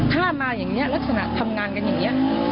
ถ้ามาอย่างนี้ลักษณะทำงานกันอย่างนี้